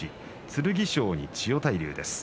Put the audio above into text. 剣翔に千代大龍です。